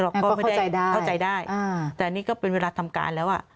เราก็ไม่ได้เข้าใจได้แต่อันนี้ก็เป็นเวลาทำการแล้วอ่ะ